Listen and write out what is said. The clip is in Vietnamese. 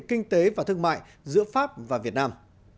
kinh tế và thương mại giữa pháp và việt nam